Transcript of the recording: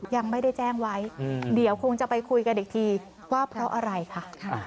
ยังไม่ได้แจ้งไว้เดี๋ยวคงจะไปคุยกันอีกทีว่าเพราะอะไรค่ะ